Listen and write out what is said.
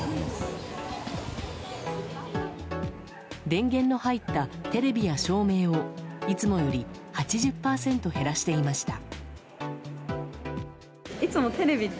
電源の入ったテレビや照明をいつもより８０％減らしていました。